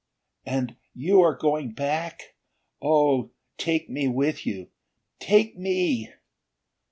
And you are going back? Oh, take me with you! Take me!"